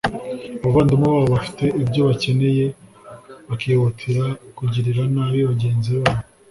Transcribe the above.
abavandimwe babo bafite ibyo bakeneye bakihutira kugirira nabi bagenzi babo